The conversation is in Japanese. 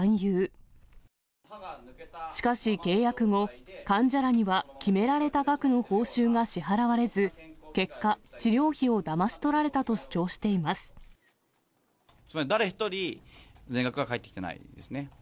しかし、契約後、患者らには決められた額の報酬が支払われず、結果、治療費をだまつまり誰一人、全額は返ってきてないですね。